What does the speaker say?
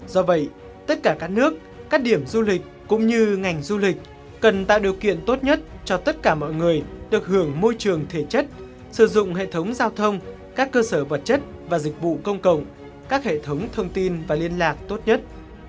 do vậy tất cả các nước các điểm du lịch cũng như ngành du lịch cần tạo điều kiện tốt nhất cho tất cả mọi người được hưởng môi trường thể chất sử dụng hệ thống giao thông các cơ sở vật chất và dịch vụ công cộng các hệ thống thông tin và liên lạc tốt nhất